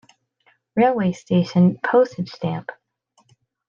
Railway station Postage stamp.